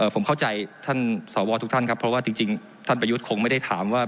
ผมเข้าใจท่านสวทุกท่านครับเพราะว่าจริงท่านประยุทธ์คงไม่ได้ถามว่า